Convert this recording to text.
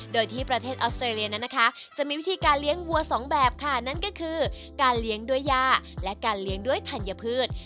โดยที่ประเทศออสเตรเลียนั้นนะคะจะมีวิธีการเลี้ยงวัวสองแบบค่ะนั่นก็คือการเลี้ยงด้วยยาและการเลี้ยงด้วยธัญพืช